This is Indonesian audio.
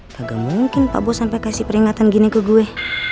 kagak mungkin pak bos sampai kasih peringatan gini ke gue